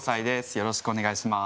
よろしくお願いします。